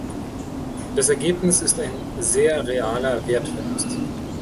Das Ergebnis ist ein sehr realer Wertverlust.